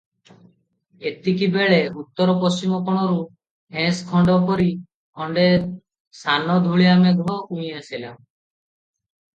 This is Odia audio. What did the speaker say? ଏତିକିବେଳେ ଉତ୍ତର ପଶ୍ଚିମ କୋଣରୁ ହେଁସଖଣ୍ଡ ପରି ଖଣ୍ଡେ ସାନ ଧୂଳିଆ ମେଘ ଉଇଁ ଆସିଲା ।